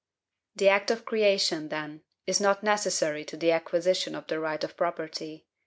The act of creation, then, is not NECESSARY to the acquisition of the right of property.